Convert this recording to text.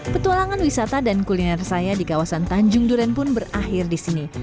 ketualangan wisata dan kuliner saya di kawasan tanjung duren pun berakhir disini